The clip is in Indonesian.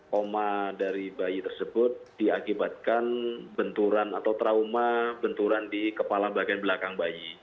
koma dari bayi tersebut diakibatkan benturan atau trauma benturan di kepala bagian belakang bayi